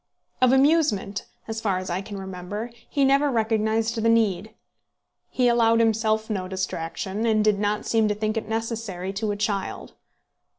Of amusement, as far as I can remember, he never recognised the need. He allowed himself no distraction, and did not seem to think it was necessary to a child.